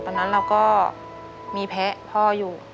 ตอนนั้นเราก็มีแพ้พ่ออยู่